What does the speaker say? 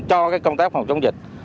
cho công tác phòng chống dịch